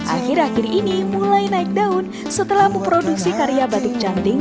akhir akhir ini mulai naik daun setelah memproduksi karya batik cantik